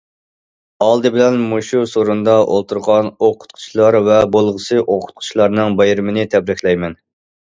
ئالدى بىلەن مۇشۇ سورۇندا ئولتۇرغان ئوقۇتقۇچىلار ۋە بولغۇسى ئوقۇتقۇچىلارنىڭ بايرىمىنى تەبرىكلەيمەن!